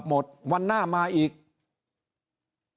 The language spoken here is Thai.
ก็มาเมืองไทยไปประเทศเพื่อนบ้านใกล้เรา